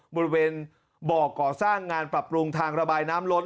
บริเวณบ่อก่อสร้างงานปรับปรุงทางระบายน้ำล้น